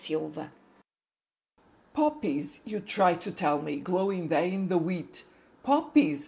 _ Tri colour POPPIES, you try to tell me, glowing there in the wheat; Poppies!